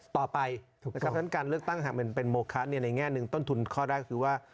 เพราะฉะนั้นการเลือกตั้งหากเป็นโมคะในแง่หนึ่งต้นทุนข้อแรกคือว่า